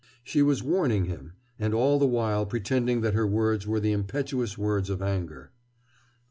She was warning him, and all the while pretending that her words were the impetuous words of anger.